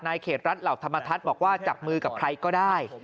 เขตรัฐเหล่าธรรมทัศน์บอกว่าจับมือกับใครก็ได้